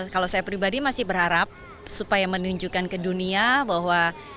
kalau saya pribadi masih berharap supaya menunjukkan ke dunia bahwa